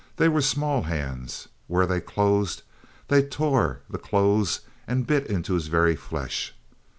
They were small hands. Where they closed they tore the clothes and bit into his very flesh.